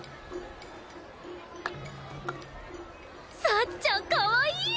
幸ちゃんかわいい！